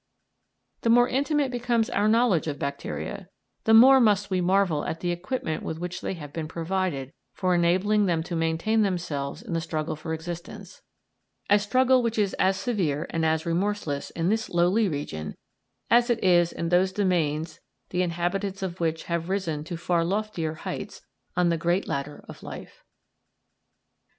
The more intimate becomes our knowledge of bacteria, the more must we marvel at the equipment with which they have been provided for enabling them to maintain themselves in the struggle for existence a struggle which is as severe and as remorseless in this lowly region as it is in those domains the inhabitants of which have risen to far loftier heights on the great ladder of life.